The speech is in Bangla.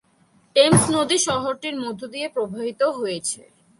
টেমস নদী শহরটির মধ্য দিয়ে প্রবাহিত হয়েছে।